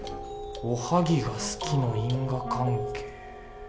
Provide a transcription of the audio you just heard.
「おはぎが好き」の因果関係。